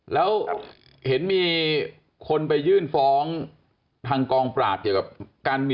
แล้วเห็นมีคนไปยื่นฟ้องทางกองปราบเกี่ยวกับการเมือง